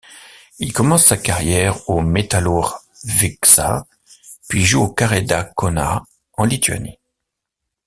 Il commence sa carrière au Metallourg Vyksa puis joue au Kareda Kaunas en Lituanie.